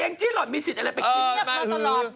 จี้หล่อนมีสิทธิ์อะไรไปเทียบมาตลอด